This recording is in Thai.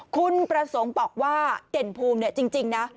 คุณประสงค์บอกว่าเด่นภูมิเนี่ยจริงนะ